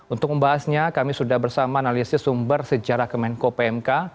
untuk membahasnya kami sudah bersama analisis sumber sejarah kemenko pmk